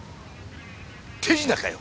手品かよ！？